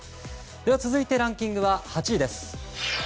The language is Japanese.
続いてランキングは８位です。